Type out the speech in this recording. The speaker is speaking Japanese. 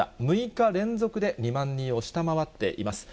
６日連続で２万人を下回っています。